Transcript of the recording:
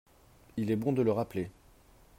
Il est bon de le rappeler